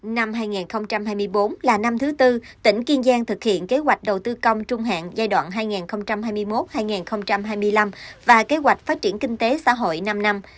năm hai nghìn hai mươi bốn là năm thứ tư tỉnh kiên giang thực hiện kế hoạch đầu tư công trung hạn giai đoạn hai nghìn hai mươi một hai nghìn hai mươi năm và kế hoạch phát triển kinh tế xã hội năm năm